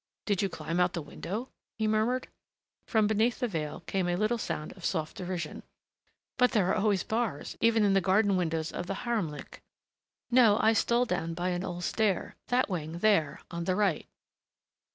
"Did you climb out the window?" he murmured. From beneath the veil came a little sound of soft derision. "But there are always bars, even in the garden windows of the haremlik!... No, I stole down by an old stair.... That wing, there, on the right."